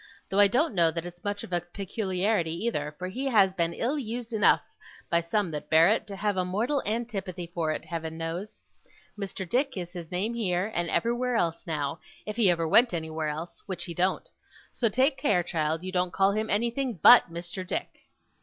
Though I don't know that it's much of a peculiarity, either; for he has been ill used enough, by some that bear it, to have a mortal antipathy for it, Heaven knows. Mr. Dick is his name here, and everywhere else, now if he ever went anywhere else, which he don't. So take care, child, you don't call him anything BUT Mr. Dick.